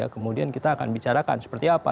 kemudian kita akan bicarakan seperti apa